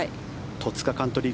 戸塚カントリー